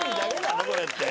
それって。